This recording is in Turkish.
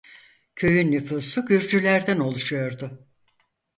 Köyün nüfusu Gürcülerden oluşuyordu.